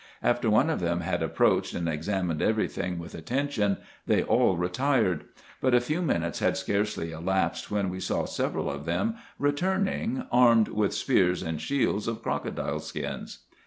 After one of them had approached, and examined every thing with at tention, they all retired ; but a few minutes had scarcely elapsed, when we saw several of them returning armed with spears and shields of crocodile skins.